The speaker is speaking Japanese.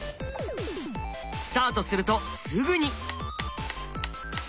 スタートするとすぐに。